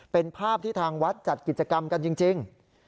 เป็นภาพที่ทางวัดจัดกิจกรรมกันจริง